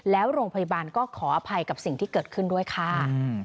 แล้วโรงพยาบาลก็ขออภัยกับสิ่งที่เกิดขึ้นด้วยค่ะ